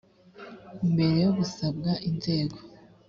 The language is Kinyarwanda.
mbere yo gusabwa inzego